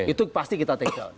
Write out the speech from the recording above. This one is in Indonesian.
itu pasti kita take out